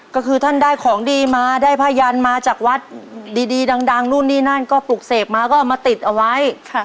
ก็คือท่านได้ของดีมาได้ผ้ายันมาจากวัดดีดังนู่นนี่นั่นก็ปลูกเสกมาก็เอามาติดเอาไว้